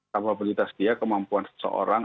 kapabilitas dia kemampuan seseorang